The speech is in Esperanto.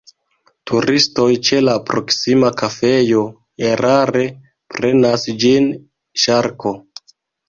Turistoj ĉe la proksima kafejo erare prenas ĝin ŝarko.